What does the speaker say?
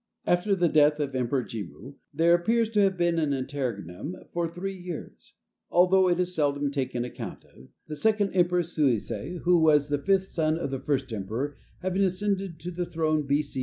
After the death of the Emperor Jimmu there appears to have been an interregnum for three years although it is seldom taken account of the second Emperor Suisei, who was the fifth son of the first emperor, having ascended the throne B.C.